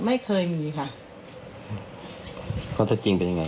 ไม่เคยมีค่ะ